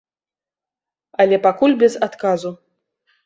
Але пакуль без адказу.